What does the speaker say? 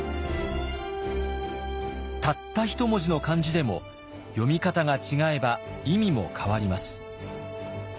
たった一文字の漢字でも読み方が違えば意味も変わります。